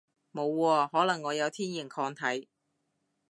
冇喎，可能我有天然抗體